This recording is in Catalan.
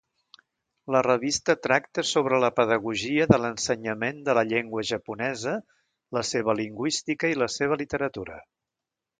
La revista tracta sobre la pedagogia de l'ensenyament de la llengua japonesa, la seva lingüística i la seva literatura.